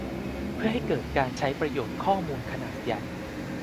เพื่อให้เกิดการใช้ประโยชน์ข้อมูลขนาดใหญ่